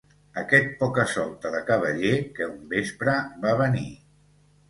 Aquest poca-solta de cavaller que un vespre va venir.